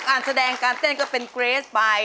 การแสดงการเต้นก็เป็นเกรสไป